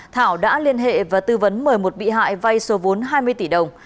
thảo đã liên hệ và tư vấn mời một bị hại vay số vốn hai mươi tỷ đồng